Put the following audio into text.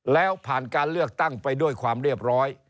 แล้วผ่านการเลือกตั้งไปด้วยความเรียบร้อย